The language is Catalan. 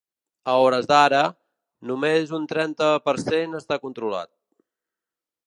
A hores d’ara, només un trenta per cent està controlat.